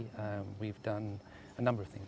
kami telah melakukan banyak hal